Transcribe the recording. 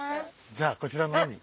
じゃあこちらの方に。